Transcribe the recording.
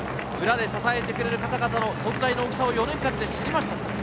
裏で支えてくれる方々の存在の大きさを４年間で知りました。